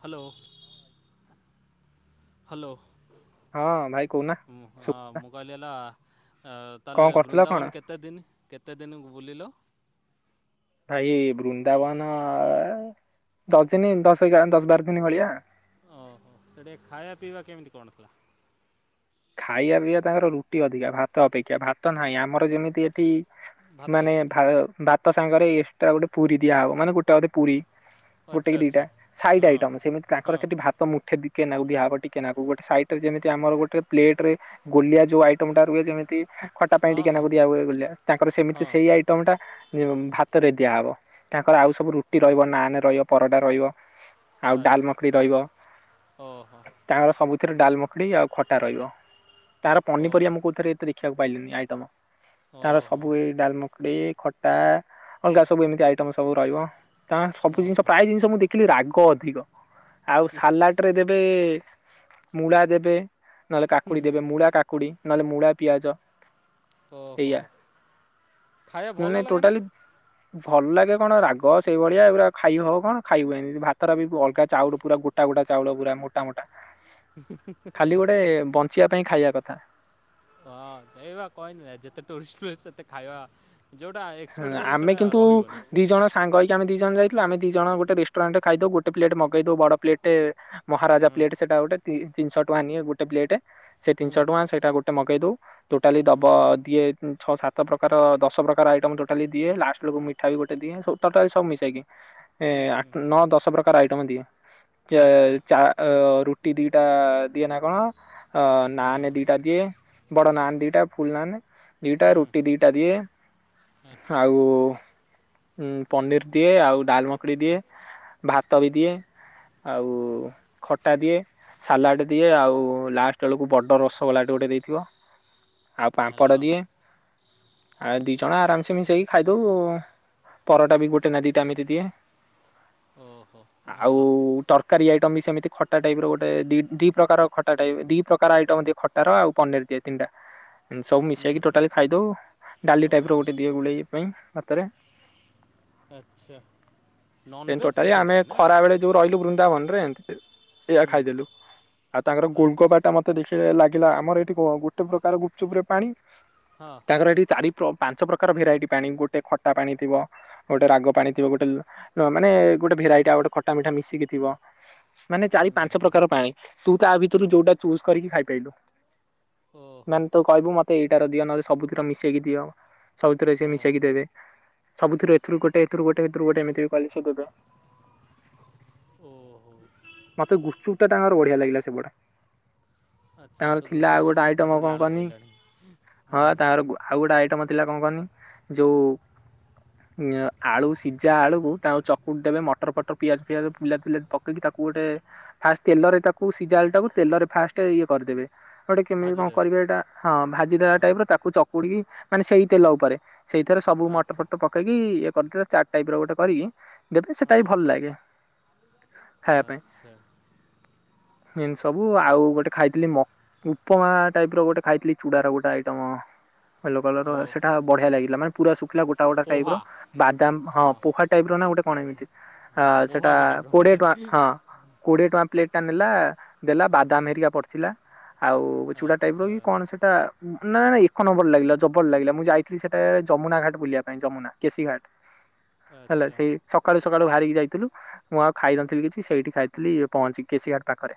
Hello. Hello. ହଁ ଭାଇ କହୁନା ହଁ ସୁ ହଁ ମୁ କହିଲି ହେଲା ତାଲେ କଣ କରୁଥିଲ କଣ? ବୃନ୍ଦାବନ କେ କେତେ ଦିନ କେତେ ଦିନକୁ ବୁଲିଲ ଭାଇ ବୃନ୍ଦାବନ ଦଶ ଦିନ ଦଶ ଦଶ ବାର ଦିନ ଭଳିଆ ଓହୋ ସେଠି ଖାଇବା ପିଇବା କେମିତି କଣ ଥିଲା? ଖାଇବା ପିଇବା ତାଙ୍କର ରୁଟି ଅଧିକା ଭାତ ଅପେକ୍ଷା ଭାତ ନାହିଁ ଆମର ଯେମିତି ଏଠି ଭାତ ମାନେ ଭ ଭାତ ସାଙ୍ଗରେ ଏକ୍ସଟ୍ରା ଗୋଟେ ପୁରୀ ଦିଆହବ ମାନେ ଗୋଟେ [unintelligible] ଟୋଧେ ପୁରୀ ଗୋଟେ ଆଚ୍ଛା କି ଦିଟା ଆଚ୍ଛା ସାଇଟ ହଁ ଆଇଟମ ସେମିତି ତାଙ୍କର ହଁ ସେଠି ଭାତ ମୁଠେ କେନାି କେନାକୁ ଗୋଟେ ସଟ ଯେମିତି ଆମର ଗୋଟେ ପ୍ଲେଟ ରେ ଗୋଲିଆ ଯୋଉ ଆଇଟମ ଟା ରୁହେ ଯେମିତି ଖଟା ପାଇଁ ହଁ ହଁ ଟିକେନାକୁ ଦିଆ ହ ତାଙ୍କର ସେମିତି ହଁ ସେଇ ଆଇଟମ ଟା ଭାତରେ ଦିଆହେବ ତାଙ୍କର ଆଉ ସବୁ ରୁଟି ରହିବ ନାନ ରହିବ ପରଟା ରହିବ ଆଉ ଡାଲ୍ ଆଚ୍ଛା ମଖନି ରହିବ ଓହୋ ତାଙ୍କର ସବୁଥିରେ ଡାଲମଖଡି ଆଉ ଖଟା ରହିବ ତାର ପନିପରିବା ଓହୋ ମୁଁ କୋଉଥିରେ ଏ ଦେଖିବାକୁ ପାଇଲିନି ଆଇଟମ ତାର ଓହୋ ସବୁ ଏଇ ଡାଲମକଡି ଖ ଅଲଗା ସବୁ ଏମିତି ଆଇଟମ ସବୁ ରହିବ ତା ସବୁ ଜିନିଷ ଓହୋ ପ୍ରାୟ ଜିନିଷ ମୁଁ ଦେଖି କି ରାଗ ଅଧିକ ଆଉ ଇସ୍ ସାଲାଡ ରେ ଦେବେ ମୂଳା ଦେବେ ନହେଲେ କାକୁଡି ଦେବେ ମୁୂଳା କାକୁଡି ନହେଲେ ମୂଳା ପିଆଜ ଓହୋ ଏଇଆ ଖାଇବା ମାନେ ଭଲ ଲାଗେ ନା ଟୋଟାଲି ଭଲ ଲାଗେ କଣ ରାଗ ସେଇଭଳିଆ ପୁରା ଖାଇ ହବ କଣ ଖାଇ ହୁଏନି ଭାତର ବି ଅଲଗା ଚାଉଳ ପୁରା ଗୋଟ ଗୋଟା ଗୋଟା ଚାଉଳ ପୁରା ମୋଟ ମୋଟା ହୁଁ ହୁଁ ହୁଁ ଖାଲି ଗୋଟେ ବଞ୍ଚିବା ପାଇଁ ଖାଇବା କଥା ହଁ ସେଇ କହିହନି ଯେତେ ଟୁରିଷ୍ଟ ପ୍ସେସ୍ ସେତେ ଖାଇବା ଯେଉଁଟା ହଁ ଏକ୍ସପେକ୍ଟ କରିବି ଆମେ ସେଇଟା କିନ୍ତୁ ରହିବନି ଦି ଜଣ ସାଙ୍ଗ ହେଇକି ଆମେ ଦି ଜଣ ଯାଇଥିଲୁ ଆମେ ଦି ଜଣ ଗୋଟେ ରେଷ୍ଟୁରାଣ୍ଟ ଖାଇ ଦେବୁ ଗୋଟେ ପ୍ଲେଟ ମଗେଇ ଦେଉ ବଡ ପ୍ଲେଟଟେ ମହାରାଜା ହୁଁ ପ୍ଲେଟ ସେଇଟା ଗୋଟେ ତିନିଶହ ଟଙ୍କା ନିଏ ଗୋଟେ ପ୍ଲେଟ ସେ ହୁଁ ତିନିଶହ ଟଙ୍କା ସେଇଟା ଗୋ ଟେ ମଗେଇ ଦୋଉ ଟୋଟାଲି ହୁଁ ଦବ ଦିଏ ଛ ସାତ ପ୍ରକାର ଦଶ ପ୍ରକାର ଆଇଟ ଟୋଟାଲି ଦିଏ ଲାଷ୍ଟ ବେଳକୁ ମିଠା ବି ଗୋଟେ ଦିଏ ଟୋଟାଲି ସବୁ ମିଶାଇକି ହୁଁ ଏଁ ହୁଁ ନଅ ଦଶ ପ୍ରକାର ଆଇଟମ୍ ଦିଏ ଆଚ୍ଛା ଚା ରୁଟି ଦିଟା ଦିଏ ନା କଣ ଅଁ ନାନ୍ ଓହୋ ଦିଟା ଦିଏ ବଡ ନାନ୍ ଦିଟା ଫୁଲ ନାନ୍ ଦିଟା ହୁଁ ରୁଟି ଦିଟା ଦିଏ ଆଚ୍ଛା ଆଉ ହୁଁ ପନିର ଦିଏ। ଆଉ ଡାଲମଖଡି ଦିଏ। ଭାତ ବି ଦିଏ। ଆଉ ଖଟା ଦିଏ। ସାଲାଡ଼ ଦିଏ। ଆଉ ଲାଷ୍ଟ ବେଳକୁ ବଡ ରସଗୋଲାଟେ ଗୋଟେ ଦେଇଥିବ। ଆଉ ହେଲା ପାମ୍ପଡ଼ ଆଉ ଦିଏ ଆଉ ଦି ଜଣା ଆରାମସେ ମିଶେଇକି ଖାଇଦଉ। ପରଟା ବି ଗୋଟେ ନା ଦିଟା ଏମିତି ଦିଏ। ଓହୋ ଆଉ ଭଲ ତରକାରୀ ଆଇଟମ୍ ବି ସେମିତି ଖଟା ଟାଇପ୍ ର ଗୋଟେ ଦି ଦି ପ୍ରକାର ଖଟା ଟାଇପ୍ ଦି ପ୍ରକାର ଆଇଟମ୍ ଦିଏ ଖଟ୍ ତାର ଆଉ ପନିର ଦିଏ ତିନଟା। ସବୁ ହୁଁ ମିଶେଇକି ହୁଁ ଟୋଟାଲି ଖାଇଦଉ। ଡାଲି ଟାଇପ୍ ର ଓହୋ ଗୋଟେ ଦିଏ ଗୋଳେଇ ପାଇଁ ହାତରେ ଆଚ୍ଛା। ଦେନ୍ ନନଭେଜ୍ ଟୋଟାଲି ସେଠି ଆମେ ନାହିଁ ନା ଖରା ବେଳେ ଯୋଉ ରହିଲୁ ବୃନ୍ଦାବନ ରେ ଏମତି ଏଇଆ ହୁଁ ଖାଇଦେଲୁ। ଆଉ ତାଙ୍କର ଆଚ୍ଛା ଗୋଲଗବା ଟା ମତେ ଦେଖିଲେ ଲାଗିଲା ଆମର ଏଇଠି ଗ ଗୋଟେ ପ୍ରକାର ଗୁପଚୁପ ରେ ପାଣି। ହଁ। ତାଙ୍କର ଏଠି ଚାରି ପାଞ୍ଚ ପ୍ରକାର ଭେରାଇଟି ପାଣି ଗୋଟେ ଖଟା ପାଣି ଥିବ। ଗୋଟେ ରାଗ ପାଣି ଥିବ। ଗୋଟେ ନ ମାନେ ଗୋଟେ ଭେରାଇଟି ଆଉ ଗୋଟେ ଖଟା ମିଠା ମିଶିକି ଥିବ। ମାନେ ଚାରି ହୁଁ ପାଞ୍ଚ ପ୍ରକାର ହୁଁ ପାଣି ସୁ ତା ଭିତରୁ ଯୋଉଟା ଚୁଜ କରିକି ଖାଇପାଇଲୁ। ଓହୋ ମାନେ ତୁ କହିବୁ ମତେ ଏଇଟାର ଦିଅ ନହେଲେ ସବୁଥିର ମିଶେଇକି ଦିଅ। ସବୁଥିରେ ସେ ମିଶେଇକି ଓହୋ ଦେବେ। ସବୁଥିରୁ ଏଥୁରୁ ଗୋଟେ ଏଥିରୁ ଗୋଟେ ହେଥିରୁ ଗୋଟେ ଏମିତି ବି କହିଲେ ସେ ଦେବେ। ଓହୋ। ମତେ ଗୁପଚୁପ ଟା ତାଙ୍କର ବଢିଆ ଲାଗିଲା ସବୁଉଡା। ଆଚ୍ଛା ତ ତାଙ୍କର ଥିଲା ଗୁପଚୁପ୍ ଆଉ ଗୋଟେ କହିଲୁଣି ମୋ ଆଇଟମ ପାଟିରୁ କଣ ଲାଳ କହନି ବୋଇଲାଣି ହଁ ହୁଁ ତାଙ୍କର ଆଉ ଗୋଟେ ଆଇଟମ ଥିଲା କଣ କହନି ଯୋଉ ନିଅ ଆଳୁ ସିଝା ଆଳୁକୁ ତାଙ୍କୁ ଚକୁଟ ଦେବେ ମଟର ଫଟର ପିଆଜ ଫିଆଜ ବିଲାତି ଫିଲାତି ପକେଇକି ତାକୁ ଗୋଟେ ଫାଷ୍ଟ ତେଲରେ ତାକୁ ସିଝା ଆଳୁଟାକୁ ତେଲରେ ଫାଷ୍ଟ ଇଏ କରିଦେବେ। ଗୋଟେ କେମିତି କଣ ଭାଜିଦେବେ କରିବା ଏଇଟା ହଁ ଭାଜିଦବା ହଁ ଟାଇପ୍ ର ତାକୁ ଚକୁଡିକି ମାନେ ସେଇ ତେଲ ଉପରେ ସେଇଥେରେ ସବୁ ମଟର ଆଚ୍ଛା ଫଟର ପକେଇକି ଇଏ କରିଥିଲା ଚାଟ୍ ଟାଇପ ର ଗୋଟେ କରିକି ଦେବେ ସେଟା ହଁ ବି ଭଲ ଲାଗେ। ଖାଇବା ପାଇଁ ଆଚ୍ଛା ଏମତି ସବୁ ଆଉ ଗୋଟେ ଖାଇଥିଲି ମ ଉପମା ଟାଇପ୍ ର ଗୋଟେ ଖାଇଥିଲି ଚୁଡ଼ାର ଗୋଟେ ଆଇଟମ। [unintelligible] ସେଟା ଓହୋ ବଢିଆ ଲାଗିଲା ମାନେ ପୁରା ଶୁଖିଲା ଗୋଟା ଗୋଟା ଟାଇପ୍ ପୋହା ର ବାଦାମ ହଁ ପୋହା ଟାଇପ୍ ର ନା ଗୋଟେ କଣ ଏମିତି ହଁ ଆଁ ପୋହା ସେଟା କୋଡିଏ କହନ୍ତି ଟଙ୍କା ହଁ। କୋଡ଼ିଏ ଟଙ୍କା ପ୍ଲେଟ୍ ଟା ନେଲା ଦେଲା ବାଦାମ ହେରିକା ପଡ଼ିଥିଲା ଆଉ ଚୁଡା ଟାଇପ୍ ର ଆଚ୍ଛା କି କଣ ସେଟା ନା ନା ଏକ ନମ୍ବର ଲାଗିଲା ତ। ଜବର ଲାଗିଲା ମୁଁ ଯାଇଥିଲି ସେଟା ଯମୁନା ଘାଟ ବୁଲିବା ପାଇଁ ଯମୁନା କେଶୀ ଘାଟ ହେଲା ଆଚ୍ଛା ସେଇ ସକାଳୁ ସକାଳୁ ବାହାରିକି ଯାଇଥିଲୁ। ମୁଁ ଆଉ ଖାଇନଥିଲି କିଛି ସେଇଠି ଖାଇଥିଲି ପହଞ୍ଚି କେଶୀ ଘାଟ ପାଖରେ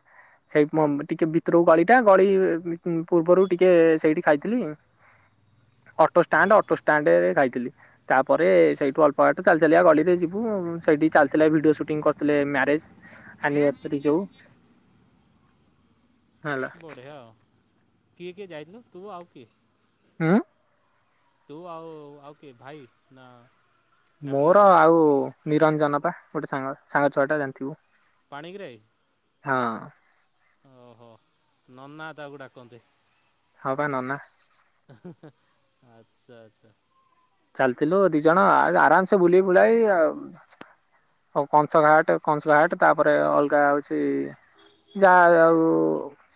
ସେଇ ମମ୍ ଟିକେ ଭିତରୁକୁ ଗଳିଟା ଗଳି ପୂର୍ବରୁ ଟିକେ ସେଇଠି ଖାଇଥିଲି। ଅଟୋଷ୍ଟାଣ୍ଡ ଓହୋ ଅଟୋଷ୍ଟାଣ୍ଡରେ ଖାଇଥିଲି। ତାପରେ ସେଇଠୁ ଅଳ୍ପ ବାଟ ଚାଲି ଚାଲିକା ଗଲି ତୁ ଯିବୁ। ସେଇଠି ଚାଲିଥିଲା ଭିଡିଓ ସୁଟିଂ କରିଥିଲେ ମ୍ୟାରେଜ୍। ଆନିଭର୍ସରି ଯୋଉ। [inaudible] ହେଲା ବଢ଼ିଆ କିଏ କିଏ ଯାଇଥିଲ ତୁ ଆଉ କିଏ? ହୁଁ। ତୁ ଆଉ ଆଉ କିଏ ଭାଇ ନା ଫ୍ୟାମିଲି ମୋର ପୁରା ଆଉ ନିରଞ୍ଜନ ପା। ଗୋଟେ ସାଙ୍ଗ ସାଙ୍ଗ ଛୁଆ ଟା ଜାଣିଥିବୁ। ପାଣିଗ୍ରାହୀ। ହଁ। ଓହୋ। ନନା ତାକୁ ଡାକନ୍ତି। ହଁ ବା ନନା। ଆଚ୍ଛା ଆଚ୍ଛା। ଚାଲିଥିଲୁ ଦି ଜଣ। ଆ ଆରାମ ସେ ବୁଲି ବୁଲାଇ ଆଉ ହଉ କଂସକା ଘାଟ କଂସଲାଘାଟ ତାପରେ ଅଲଗା ହଉଛି ଯାହା ଆଉ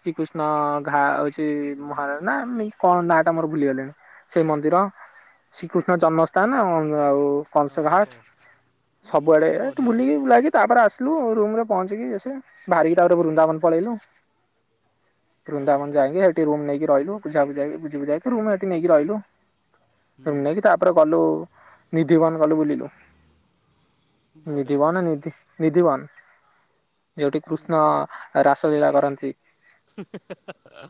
ଶ୍ରୀକୃଷ୍ଣ ଘା ହଉଛି ମହାରାଜ ନାମ କଣ ନାଁ ଟା ମୋର ଭୁଲିଗଲେଣି। ସେ ମନ୍ଦିର। ଶ୍ରୀକୃଷ୍ଣ ଜନ୍ମସ୍ଥାନ। ଆ ଆଉ କଂସ ଘାଟ। ଓହୋ ସବୁଆଡେ ବଢ଼ିଆ ବୁଲିକି ଆଉ ବୁଲାକି ତାପରେ ଆସିଲୁ ରୁମ ରେ ପହଞ୍ଚିକି ସେ ବାହାରିକି ତପରେ ବୃନ୍ଦାବନ ପଳେଇଲୁ। ବୃନ୍ଦାବନ ଓହୋ ଯାଇକି ହେଠି ରୁମ ନେଇକି ରହିଲୁ। ବୁଝା ବୁଝା ବୁଝି ବୁଝାକି ରୁମ ସେଠି ନେଇକି ରହିଲୁ। ଏମି ନେଇକି ହୁଁ ତାପରେ ଗଲୁ ନିଧି ବନ ଗଲୁ ବୁଲିଲୁ। ବଢ଼ିଆ ନିଧିବନ ନିଧି ନିଧିବନ ଯୋଉଠି କୃଷ୍ଣ ହୁଁ ରାସ ଲୀଳା କରନ୍ତି। [inaudible]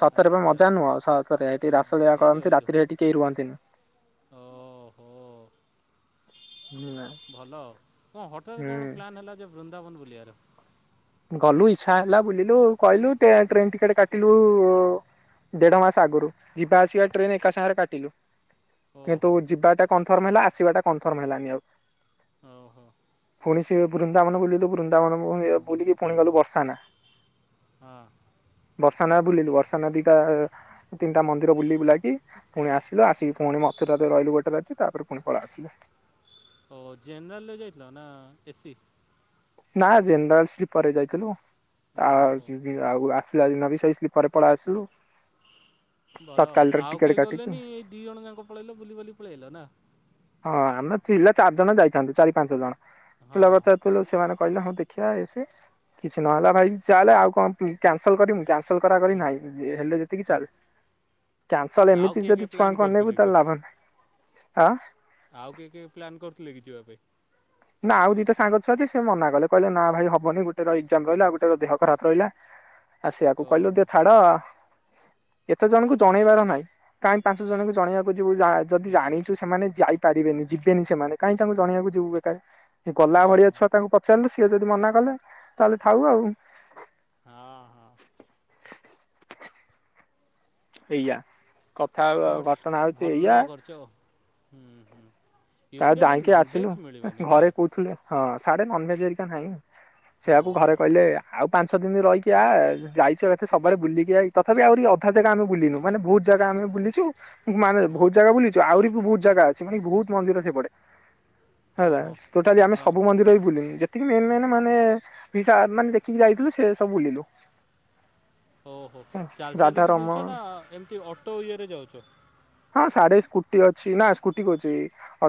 ସତରେ ବା ଆଚ୍ଛା ମଜା ନୁହଁ ସତରେ ଏଠି ରାସଲୀଳା ହଁ ହେଇଥିବ କରନ୍ତି ରାତିରେ ସେଠି କେହି ରୁହନ୍ତିନି। ହେଇଥିବ। ଓ ହୋ। [unintelligible] ଭଲ କଣ ହଠାତ୍ କଣ ହୁଁ ପ୍ଲାନ୍ ହେଲା ଯେ ବୃନ୍ଦାବନ ବୁଲିବାର। ଗଲୁ ଇଚ୍ଛା ହେଲା ବୁଲିଲୁ। କହିଲୁ ଟ୍ରେନ ଟିକେଟ କାଟିଲୁ। ଦେଢ ମାସ ଆଗରୁ। ଯିବା ଆସିବା ଟ୍ରେନ ଏକା ସାଙ୍ଗରେ କାଟିଲୁ। କିନ୍ତୁ ଓହୋ ଯିବାଟା କନଫର୍ମ ହେଲା। ଆସିବାଟା କନଫର୍ମ ହେଲାନି ଆଉ। ଓ ହୋ। ପୁଣି ସେ ବୃନ୍ଦାବନ ବୁଲିଲୁ ବୃନ୍ଦାବନ ବୁଲିକି ପୁଣି ଗଲୁ ବର୍ଷା ନା। ହଁ। ବର୍ଷାନ ବୁଲିଲୁ। ବର୍ଷାନା ଦିଟା ତିନିଟା ମନ୍ଦିର ବୁଲି ବୁଲାକି ପୁଣି ଆସିଲୁ ଆସିକି ପୁଣି ମଥୁରରେ ରହିଲୁ ଗୋଟେ ରାତି। ତାପରେ ପୁଣି ପଳାଇ ଆସିଲୁ। ଓ ଜେନେରାଲ ରେ ଯାଇଥିଲ ନା ଏସିି। ନା ଜେନେରାଲ ସ୍ଲିପର ଯାଇଥିଲୁ। ଆ ଓହୋ ଆଉ ଆସିଲା ଦିନ ଭି ସେଇ ସ୍ଲିପରରେ ପଳାଇ ଆସିଲୁ। ଭଲ ତତ୍କାଳରେ ଆଉ ଟିକେଟ କେହି କାଟିକି ଗଲେନି ଏଇ ଦି ଜଣ ଯାକ ପଳେଇଲ ବୁଲିିବାୁଲି ପଳେଇଲଲା ନା। ହଁ ଆମେ ପିଲା ଚାରି ଜଣ ଯାଇଥାନ୍ତୁ ଚାରି ପାଞ୍ଚ ଜଣ ହଁ କଥା [unintelligible] ସେମାନେ କହିଲା ହଉ ଦେଖିବା ଏ ସେ। କିଛି ନହେଲା ଭାଇ ଚାଲେ ଆଉ କଣ କ୍ୟାନସଲ୍ କରିବୁ କ୍ୟାନସଲ୍ କରା କରି ନାହିଁ ହେଲେ ଏତିକି ଚାଲ କ୍ୟାନସଲ ଆଉ ଏମିତି କିଏ କିଏ ଯଦି ପ୍ଲାନ୍ ଛୁଆଙ୍କୁ କରୁଥିଲେ ଅନେଇବୁ କି? ତାହଲେ ଲାଭ ନାହିଁ, ଆଁ ଆଉ କିଏ କିଏ ପ୍ଲାନ୍ କରୁଥିଲେ କି ଯିବା ପାଇଁ। ନା ଆଉ ଦିଟା ସାଙ୍ଗ ଅଛନ୍ତି ସେ ମନା କଲେ କହିଲେ ନା ଭାଇ ହବନି ଗୋଟେ ର ଏକ୍ଜାମ ରହିଲା ଗୋଟେ ର ଦେହ ଖରାପ ରହିଲା। [inaudible] ଆ ସେଇଆକୁ କହିଲୁ ଓହୋ ଦ ଛାଡ ଏତେ ଜଣଙ୍କୁ ଜଣେଇବାର ନାଇଁ। କାହିଁକି ପାଞ୍ଚ ଜଣଙ୍କୁ ଜଣିବାକୁ ଯିବୁ ଯଦି ଜାଣିଛୁ ସେମାନେ ଯାଇପାରିବେନି ଯିବେନି ସେମାନେ କାହିଁ ତାଙ୍କୁ ଜଣେଇବାକୁ ଯିବୁ କହିଲୁ। ଗଲା ଭଳିଆ ଓହୋ ଛୁଆ ତାଙ୍କୁ ପଚାରିଲେ ସିଏ ଯଦି ମନା କଲେ ତାହେଲେ ଥାଉ ଆଉ। ହଁ ହଁ। ଏଇଆ। କଥା ଘଟଣା ବଢ଼ିଆ ହଉଛି ଏଇଆ ଭଲ କରୁଛ ହୁ ହୁଁ। ୟୁପିରେ ମେନ୍ ନନ୍ଭେଜ୍ ମିଳିବାନି ନା? ଥିଲେ ହଁ ସାଢେ ନନଭେଜ ଏରିକା ନହିଁ ସେଇଆକୁ ଘରେ ଓହୋ କହିଲେ ଆଉ ପାଞ୍ଚଛ ଦିନ ରହିକି କିଆ ଯାଇଛ ଏତେ ସବ ବୁଲିକି ଯାଇ ତପି ଆହୁରି ଅଧା ଜାଗା ଆମେ ବୁଲନୁ ମାନେ ବହୁତ ଜାଗା ଆମେ ବୁଲିଛୁ। ମାନେ ହଁ ବହୁତ ଜାଗା ବୁଲିଛୁ ଆହୁରି ବି ବହୁତ ଜାଗା ଅଛି ମାନେ ବହୁତ ମନ୍ଦିର ଅ ସେପଟେ। ହଁ ଓହୋ। ଟୋଟାଲି ଆମେ ହଁ ସବୁ ସୁନ୍ଦିର ବି ବୁଲିନୁ ଯେ ଟିକେ ମେନ୍ ମେନ୍ ମାନେ ଦେଖିକି ଯାଇଥିଲୁ ସେ ସବୁ ବୁଲିଚୁ। ହଉ ହଉ ଚାଲି ଚାଲିକି ରାଧାରମ ବୁଲୁଛ ନା ଏମିତି ଅଟୋ ଇଏ ରେ ଯାଉଛ? ହଁ ସାଢେ ସ୍କୁଟି ଅଛି ନା ସ୍କୁଟି କ ଅଛି।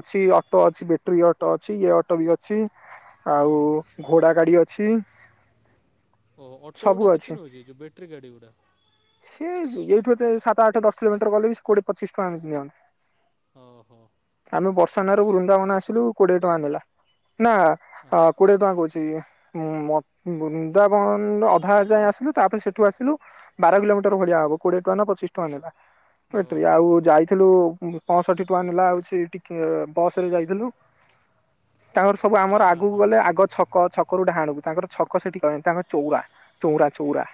ଅଛି ଅଟୋ ଅଛି ବ୍ୟାଟେରୀ ଅଟୋ ଅଛି ଇ ଅଟୋ ବି ଅଛି ଆଉ। ଓହୋ ଘୋଡା ଗାଡି ଅଛି। ଓ ଅଟୋ ସବୁ ଗୁଡା ଅଛି। କେତେ ନେଉଛି ଯୋଉ ବଟରୀ ଗାଡି ଗୁଡା? ସେ ଏଇଠୁ ଏ ସାତ ଆଠ ଦଶ କିଲୋମିଟର ଗଲେ ବି କୋଏ ପଚିଶ ଟଙ୍କା [unintelligible] ହଁ ହଁ। ଆମେ ବର୍ଷା ନ ର ବୃନ୍ଦାବନ ଆସିଲୁ କୋଡିଏ ଟଙ୍କା ନେଲା, ନା? ହଁ ଆଚ୍ଛା କୋଡିଏ ଟଙ୍କା ତ କହୁଛି? ବୃନ୍ଦାବନ ଅଧା ଯାଇଏ ଆସିଲୁ ତାପରେ ସେଠୁ ଆସିଲୁ ବାର କିଲୋମିଟର ଭଳିଆ ହବ କୋଡିଏ ଟଙ୍କା ନା ପଚିଶ ଟଙ୍କା ନେଲା। ଏଠି ଓହୋ ଆଉ ଯାଇଥିଲୁ ପଞ୍ଚଷଠି ଟଙ୍କା ନେଲା ଆଉଛି ସେିକ ବସ ରେ ଯାଇଥିଲୁ ତାଙ୍କର ସବୁ ଆମର ଆ ଆଗକୁ ହା ଗଲେ ଆଗ ଛକ ଛକରୁ ଡହାଣିବୁ ତାଙ୍କର ଛକ ସେଠି କନି ତାଙ୍କର ଚୌରା ଚଉରା ଚଉରା।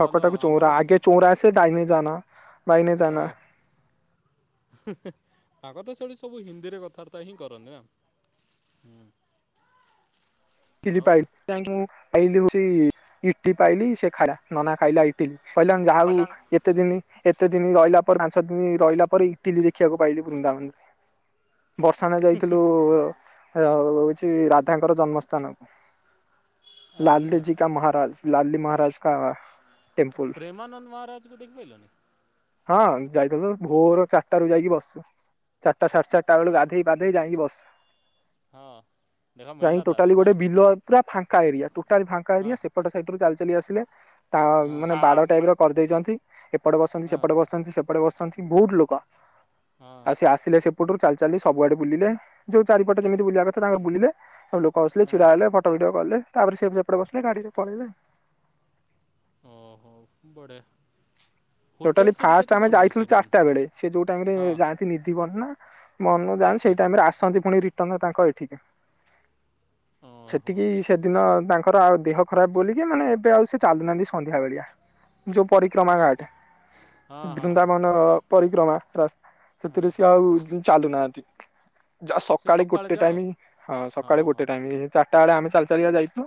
ଭଲ ଆମର ଚୋରା ଆଗେ ଚୋରା ଆସେ [unintelligible] ଜାନା ବାଇନ ଜାନା। ଭାଗତ ଶୈଳୀ ସବୁ ହିନ୍ଦୀରେ କଥାବାର୍ତ୍ତା ହିଁ କରନ୍ତି ନା ହୁଁ। [unintelligible] ପାଇ ତା ଖଲିଉ ଇଟ ପାଇଲି ସେ ଖାଇଲା ନନା ଖାଇଲାଇ ପହିଲ ଯାହାକୁ ପଲଙ୍ଗ ଏତେ ଦିନ ଏତେ ଦିନ ରହିଲା ପରେ ପାଞ୍ଚ ଦିନ ରହିଲା ପରେ ଇଟିଲି ଦେଖିବାକୁ ପାଇଲି ବୃନ୍ଦାବନରେ। [inaudible] ବର୍ଷା ନ ଯାଇଥିଲୁ ହଉଛି ରାଧାଙ୍କର ଜନ୍ମସ୍ ଆଚ୍ଛା ଲାଲୁ ଜୀ କା ମହାରାଜ ଲାଲି ମହାରାଜ କା ଟେମ୍ପୁଲ ପ୍ରେମାନନ୍ଦ ମହାରାଜ କୁ ଦେଖି ଲଣୀ? ହଁ ଯାଇଥିଲୁ ଭୋର ଚାରିଟା ରୁ ଯାଇକି ବସୁ ଚାରଟା ସାଢେ ଚାରିଟା ବଳଳେ ଗଧୋଇପାଧେଇ ଯାଇକି ବସ୍ ହଁ ଦେଖା ମିଳିଲ [unintelligible] ଟା ଗୋଟେ ବିଲ ପୁର ଫାଙ୍କ ଏରିଟା ଫା ହଁ ଏରି ସେପଟ ସ ଚାଲି ଚାଲି ଆସିଲୁ। ତା ହଁ ମାନେ ବାଡ଼ ଟାଇପ ର କରିଦେଇଛନ୍ତି ଏପଟେ ବସଛନ୍ତି ହଁ ସେପଟେ ବସ ସେପଟେ ବସଛନ୍ତି ବହୁତ ଲୋକ ହଁ ଆଉ ସେ ଆସିଲେ ସେ ପଟରୁ ଚାଲି ଚାଲି ସବୁଆଡେ ବୁଲିଲେ ଯୋଉ ଚାରିଟ ଯେମିତି ବୁଲିବା କଥା ତାଙ୍କ ବୁଲିଲେ। କସିଲେ ହଁ ଛିଡ଼ା ହେଲେ ଫଟୋ ଫିଡି କଲେ ତାପରେ ସେ ସେପଟେ ବସିଲ ଗାଡିରେ ପଳେଇଲେ। ଓହୋ [unintelligible] ହୋଟେଲ ଟୋଟାଲି ସେଠି ଫାଷ୍ଟ କେତେ ଆମେ କଣ ନେଉଛି ଯାଇଥିଲୁ ରୁମ୍ ଚାରିଟା ବେଳେ ସେ ଯୋଉ ଟାଇରେ ହଁ ଯାନ୍ତି ନିଧ ବନ ନା ମନ ଯା ଆଚ୍ଛା ସେଇ ଟାଇମରେ ଆସନ୍ତି ପୁଣି ରିଟର୍ନ ତାଙ୍କ ଏଠିକି ଓହୋ ସେଠିକି ସେଦିନ ତାଙ୍କର ଆଉ ଦେହ ଖରାପ ବୋଲିକି ମାନେ ଏବେ ଆଉ ସେ ଚାଲୁନାହାନ୍ତି ସନ୍ଧ୍ୟା ବେଳିଆ ଯୋଉ ପରି କ୍ରମା ଘାଟ ହଁ ହଁ ହଁ ବୃନ୍ଦାବନ ପରିକ୍ରମା ରାସ୍ତା ସେଥିରେ ସିଏ ଆଉ ଚାଲୁନାହାତି ଯ ସେ ସକାଳେ ଗୋଟେ ଯାଅ ଟାଇମ ହଁ ସକାଳେ ଗୋଟେ ଟାଇମ ଚାରିଟା ବେଳେ ଆମେ ଚାଲଚଲିକା ଯାଇଛୁ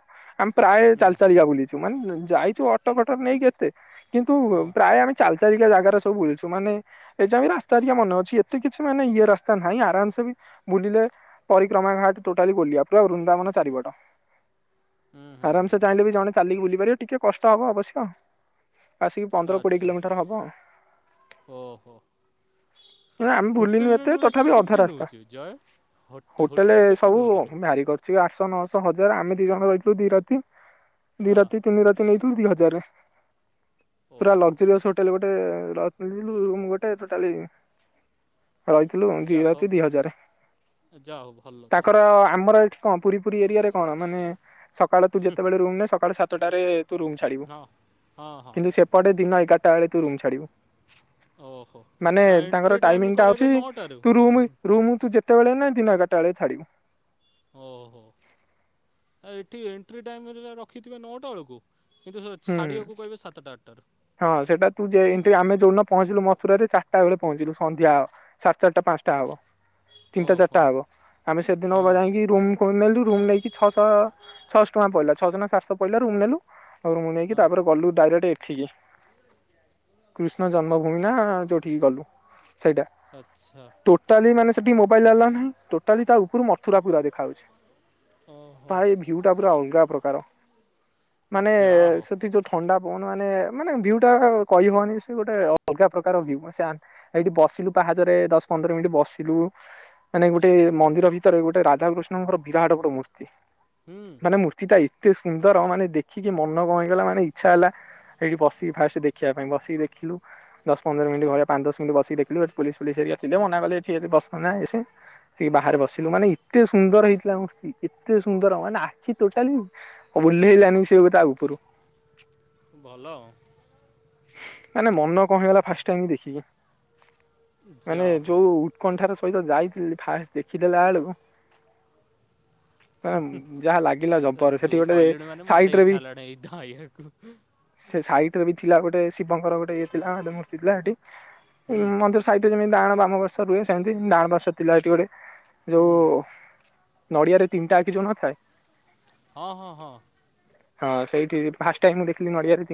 ଆମେ ପ୍ରାୟ ହୁଁ ଚାଲିକା ବୁଲିଛୁ ମାନେ ଯାଇଚୁ ଅଟୋ ଫଟ ନେଇକି କେତେ କିନ୍ତୁ ହଁ ପ୍ରାୟ ଆମେ ଚାଲି ଚାଲିକା ଜାଗାରା ସବୁ ବୁଲିଚୁ ମାନେ ଏଇ ଯାଇବି ରାସ୍ତା ଟିକେ ମନେ ଅଛି ଏତେ କିଛି ମାନେ ଇଏ ରାସ୍ତା ନାହିଁ ଆରାମସେ ବି ବୁଲିଲେ ପରିକ୍ରମା ଘାଟ୍ ଟୋଟାଲି ବୁଲିବା ପୁରା ବୃନ୍ଦାବନ ଚାରିପଟ। ହୁଁ ହୁଁ ଆରାମସେ ଚାହିଁଲେ ବି ଜଣେ ଚାଲିକି ବୁଲି ପାରିବେ ଟିକେ କଷ୍ଟ ହବ ଅବଶ୍ୟ। ଆସିକି ପନ୍ଦର କୋଡିଏ ଆଚ୍ଛା କିଲୋମିଟର ହବ। ଓହୋ ନା ଆମେ ହୋଟେଲ ବୁଲିିନୁ ରେଟ୍ ଏତେ ଗୁଡ଼ା ସେଠି ତଥାପି ଅଧା କେତେ ରାସ୍ତା। ନେଉଛି ଜୟ ହୋଟେଲ କେତେ ସବୁ ନେଉଛିରେ ଭା ଆଠଶହ, ନଅଶହ, ହଜାର ଆମେ ଦି ଜଣ ରହିଥିଲୁ ଦି ରାତି ଦି ହଁ ରାତି ତିନି ରାତି ନେଇଥିଲୁ ଦି ହଜାରେ। ପୁରା ଓହୋ ଲକ୍ଜରିଅସ୍ ହୋଟେଲ ଗୋଟେ [unintelligible] ରୁମ୍ ଗୋଟେ ଟୋଟାଲି ରହିଥିଲୁ ଦି ଯା ହଉ ରାତି ଦି ହଜାରେ ଯା ହଉ ଭଲ ତାହେଲେ ତାଙ୍କର ଆମର ଏଠି କଣ ପୁରୀ ଫୁରୀ ଏରିଆରେ କଣ ମାନେ ସକାଳ ତୁ ଯେତେବେଳେ ରୁମ୍ ନେ ସକାଳେ ସାତଟାରେ ତୁ ରୁମ୍ ଛାଡି ହଁ ହଁ ହଁ କିନ୍ତୁ ସେପଟେ ଦିନ ଏଗାରଟା ବେଳେ ତୁ ରୁମ୍ ଛାଡିବୁ। ଓହୋ ମାନେ ନା ଏଣ୍ଟ୍ରି ତାଙ୍କର ଟାଇମ୍ ଟାଇମିଙ୍ଗ୍ ଟା କରାଇବେ ଅଛି ନଅଟାରୁ ତୁ ରୁମି‌ ରୁମ୍ ତୁ ଯେ କେତେବେଳେ ନେ ଦିନ ଏଗାରଟା ବେଳେ ଛାଡିବୁ। ଓ ହୋ ଆଉ ଏଠି ଏଣ୍ଟ୍ରି ଟାଇମ୍ ରେ ରଖିଥିବେ ନଅଟା ବେଳକୁ? କିନ୍ତୁ ହୁଁ। ଛାଡ଼ିବାକୁ କହିବେ ସାତଟା ଆଟାରୁ। ହଁ ସେଇଟା ତୁ ଯେ ଏନ୍ତୀ ଆମେ ଯଉ ଦିନ ପହଞ୍ଚିଲୁ ମଥୁରାରେ ଚାରଟା ବେଳେ ପହଞ୍ଚିଲୁ ସନ୍ଧ୍ୟା ସାର ଚାରଟା ପା ଟା ଓ- ହବ ତିନିଟା ଓହୋ ଚାରିଟା ହବ ଆମେ ସେଦିନ ହଁ ବ ଯାଇକି ରୁମ୍ ନେଲୁ ରୁମ୍ ନେଇକି ଛଅଶ ଛଅଶହ ଟଙ୍କା ପିଲା ଛଅଶ ନା ସାତଶ ପଇଲା ରୁମ୍ ନେଲୁ ରୁମ୍ ନେଇକି ହଁ ତାପରେ ଗଲୁ ଡାଇରେକ୍ଟ ଏଠିକି [inaudible] କୃଷ୍ଣ ଜନ୍ମଭୂମି ନା ଯୋଉଠିକି ଗଲୁ ସେଇଟା ଆଚ୍ଛା ଟୋ ଟାଲି ମାନେ ସେଟି ମୋବାଇଲ ଆଲ୍ଲାଉ ନାହିଁ ଟୋଟାଲି ତା ଉପରୁ ମଥୁରା ପୁର ଦେଖାାଉଛି। ଓହୋ ଭାଇ ଭ୍ୟୁ ଟା ପୁରା ଅଲଗା ପ୍ରକାର। ନେ ଯା ହଉ ସେଥି ଯୋଉ ଥଣ୍ଡା ପବନ ମାନେ ମାନେ ଭ୍ୟୁଟା କହିହବନି ସେ ଗୋଟେ ଅଲଗା ପ୍ରକାର ଭ୍ୟୁ ସେ ଆ ଏଇଠି ବସିଲୁ ପାହାଚରେ ଦଶ ପନ୍ଦର ମିନିଟ୍ ବସିଲୁ। ମାନେ ଗୋଟେ ମନ୍ଦିର ଭିତରେ ଗୋଟେ ରାଧାକୃଷ୍ଣଙ୍କର ବିରାଟ ବଡ ମୂର୍ତ୍ତି। ହୁଁ। ମାନେ ମୂର୍ତ୍ତିଟା ଏତେ ସୁନ୍ଦର ମାନେ ଦେଖିକି ମନ କଁ ହେଇଗଲା ମାନେ ଇଚ୍ଛା ହେଲା ସେଇଠି ବସିକି ଫାଷ୍ଟ ଦେଖିବା ପାଇଁ ବସିକି ଦେଖିଲୁ। ଦଶ ପନ୍ଦର ମିନିଟ୍ ଘରେ ପାଁ ଦଶ ମିନିଟ ବସିକ ଦେଖିଲୁ ପୋଲିସ ଫୋଲିସ ହେରିକା ଥିଲେ ମନା କଲେ ଏଠି ବସ ନାଇଁ ଇଏ ସିଏ। ସେ ବାହାରେ ବସିଲୁ ମାନେ ଏତେ ସୁନ୍ଦର ହେଇଥିଲା ମୂର୍ତ୍ତି ଏତେ ସୁନ୍ଦର ମାନେ ଆଖି ଟୋଟାଲି ଓଲ୍ହେଇଲାନି ସେ ବି ତା ଉପରୁ। ଭଲ। ମାନେ ମନ କଣ ହେଇଗଲା ଫାଷ୍ଟ ଟାଇମ୍ ଦେଖିକି ଯା ମାନେ ହଉ ଯୋଉ କଣ୍ଠାର ସହିତ ଯାଇଥିଲି ଫାଷ୍ଟ ଦେଖିଦେଲା ବେଳକୁ ମାନେ ହୁଁ ହୁଁ ଯାହା ଲାଗିଲା ଏ ଜବର ସେଠି ତୁ ଗୋଟେ କଇଲୁଣୁ ମାନେ ମତେ ସାଇଟରେ ବି ଇଚ୍ଛା ହେଲାଣି ଏଇ ଧାଇବାକୁ। ସେ ସାଇଟ୍ ରେ ବି ଥିଲା ଗୋଟେ ଶିବଙ୍କର ଗୋଟେ ଇଏ ଥିଲା ହେଟି ମୂର୍ତ୍ତି ଥିଲା ହେଟି ହୁଁ ଉମ୍ ମନ୍ଦିର ସ ଖଇତେ ଜିମିତି ଡାହାଣ ବାମ ବର୍ଷ ରୁହେ ସେମିତି ଡାହାଣ ପାର୍ଶ୍ଵ ଥିଲା ଏଠି ଗୋଟେ ହୁଁ ଯୋଉ ନଡ଼ିଆରେ ତିନଟା ଆଖି ଯମା ଥାଏ? ହଁ ହଁ ହଁ। ହଁ ସେଇଠି ଫାଷ୍ଟ ଟାଇମ୍ ମୁଁ ଦେଖିଲି ନଡିଆରେ ତିିନ୍